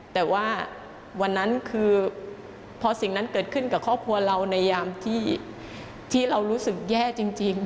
แต่ว่าวันนั้นคือพอสิ่งนั้นเกิดขึ้นกับครอบครัวเราในยามที่เรารู้สึกแย่จริง